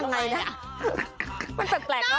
เอ๊ะยังไงนะมันเป็นแปลกแล้ว